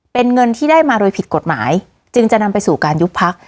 เป็นเงินที่ได้มาโดยผิดกฎหมายจึงจะนำไปสู่การยุบพัก